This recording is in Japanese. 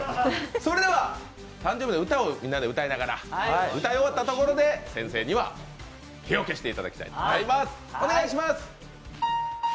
それでは誕生日の歌をみんなで歌いながら歌い終わったところで先生には火を消していただきたい。